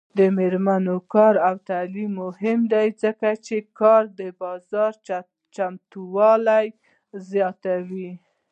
د میرمنو کار او تعلیم مهم دی ځکه چې کار بازار چمتووالي زیاتوي.